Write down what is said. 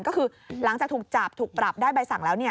ก็คือหลังจากถูกจับถูกปรับได้ใบสั่งแล้ว